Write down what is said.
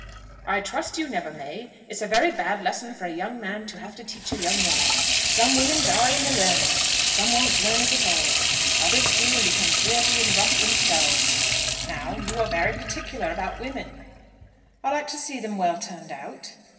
"I trust you never may. It's a very bad lesson for a young man to have to teach a young woman. Some women die in the learning. Some won't learn it at all. Others do, and become dirty and rough themselves. Now, you are very particular about women." "I like to see them well turned out."